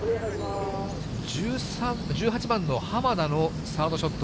１８番の濱田のサードショット。